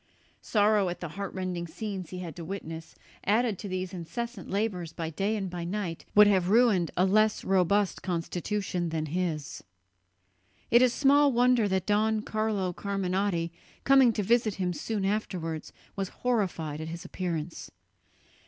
Sorrow at the heartrending scenes he had to witness, added to these incessant labours by night and by day, would have ruined a less robust constitution than his. It is small wonder that Don Carlo Carminati, coming to visit him soon afterwards, was horrified at his appearance.